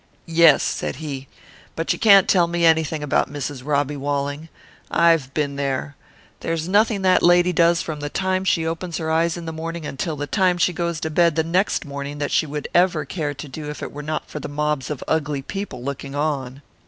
"Yes," said he. "But you can't tell me anything about Mrs. Robbie Walling. I have been there. There's nothing that lady does from the time she opens her eyes in the morning until the time she goes to bed the next morning that she would ever care to do if it were not for the mobs of ugly people looking on."